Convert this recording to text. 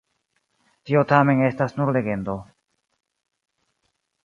Tio tamen estas nur legendo.